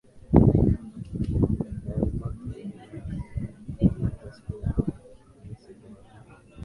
inayoikabili ireland unajarajiwa kuanza siku ya alhamisi juma hili